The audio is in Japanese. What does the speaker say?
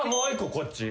こっち。